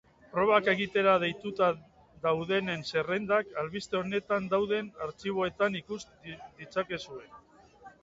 Probak egitera deituta daudenen zerrendak albiste honetan dauden artxiboetan ikus ditzakezue.